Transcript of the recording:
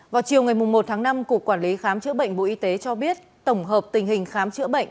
vào chiều ngày một tháng năm cục quản lý khám chữa bệnh bộ y tế cho biết tổng hợp tình hình khám chữa bệnh